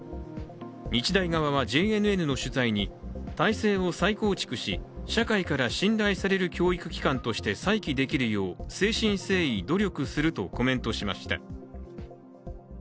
日大側はＪＮＮの取材に体制を再構築し社会から信頼される教育機関として再起できるよう、誠心誠意努力するとコメントしました。